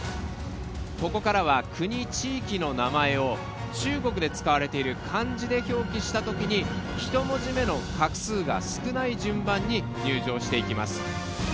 ここからは国・地域の名前を中国で使われている漢字で表記したときに１文字目の画数が少ない順番に入場していきます。